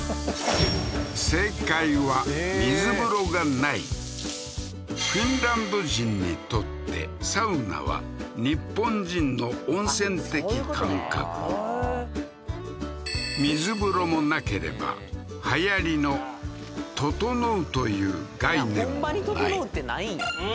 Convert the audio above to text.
外気浴だフィンランド人にとってサウナは日本人の温泉的感覚水風呂もなければはやりの「ととのう」という概念も無いうん！